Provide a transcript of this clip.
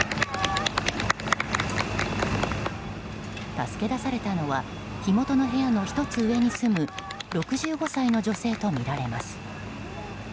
助け出されたのは火元の部屋の１つ上に住む６５歳の女性とみられます。